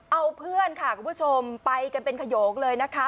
เอาเพื่อนค่ะคุณผู้ชมไปกันเป็นขยงเลยนะคะ